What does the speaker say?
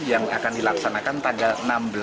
yang akan dilaksanakan tanggal